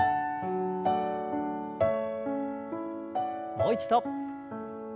もう一度。